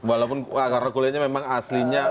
walaupun karena kuliahnya memang aslinya